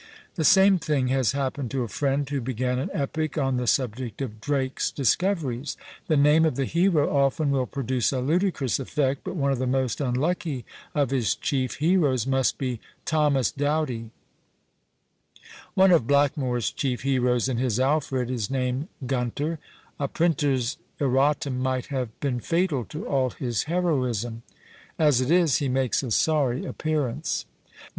The same thing has happened to a friend who began an Epic on the subject of Drake's discoveries; the name of the hero often will produce a ludicrous effect, but one of the most unlucky of his chief heroes must be Thomas Doughty! One of Blackmore's chief heroes in his Alfred is named Gunter; a printer's erratum might have been fatal to all his heroism; as it is, he makes a sorry appearance.